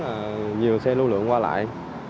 là nhiều xe lưu lượng qua lại